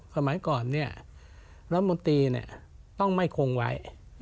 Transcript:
สมัยก่อนเนี่ยมวทีต้องไม่คงไว้